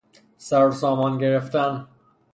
سروسامان گرفتن